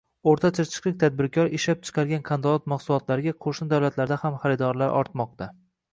O‘rta Chirchiqlik tadbirkor ishlab chiqargan qandolat mahsulotlariga qo‘shni davlatda ham xaridorlar ortmoqda